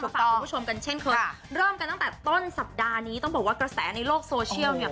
ฝากคุณผู้ชมกันเช่นเคยเริ่มกันตั้งแต่ต้นสัปดาห์นี้ต้องบอกว่ากระแสในโลกโซเชียลเนี่ย